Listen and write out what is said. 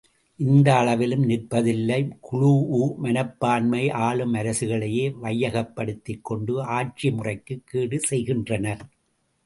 இந்த அளவிலும் நிற்பதில்லை, குழூஉ மனப்பான்மை ஆளும் அரசுகளையே கையகப்படுத்திக் கொண்டு ஆட்சி முறைக்குக் கேடு செய்கின்றனர்.